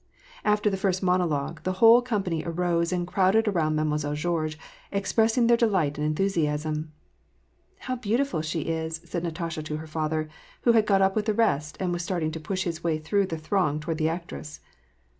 After the first monologue, the whole company arose and crowded around Mademoiselle Georges, expressing their delight and enthusiasm. " How beautiful she is !" said Natasha to her father, who had got up with the rest, and was starting to push his way through the throng toward the actress.